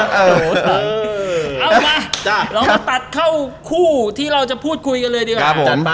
เอามาเรามาตัดเข้าคู่ที่เราจะพูดคุยกันเลยดีกว่า